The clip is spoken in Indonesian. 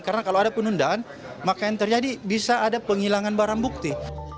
karena kalau ada penundaan maka yang terjadi bisa ada penghilangan barang bukti